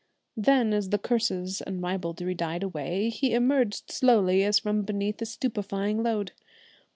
Then, as the curses and ribaldry died away, he emerged slowly as from beneath a stupefying load.